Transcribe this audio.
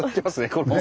これね。